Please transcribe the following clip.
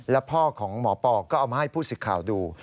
แล้วพ่อของหมอปอก็เอามาให้ผู้สิทธิ์ข่าวดู